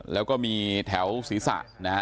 แล้วก็มีแถวศีรษะนะฮะ